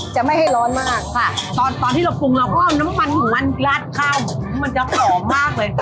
จะไม่ให้ร้อนมากค่ะตอนตอนที่เราปรุงเราก็เอาน้ำมันของมันลาดข้าวผมมันจะหอมมากเลยค่ะ